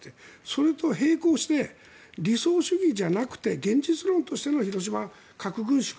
それと並行して理想主義じゃなくて現実論としての広島核軍縮。